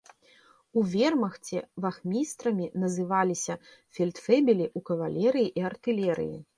У вермахце вахмістрамі называліся фельдфебелі ў кавалерыі і артылерыі.